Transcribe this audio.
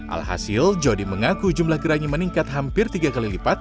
alhasil jody mengaku jumlah gerangi meningkat hampir tiga kali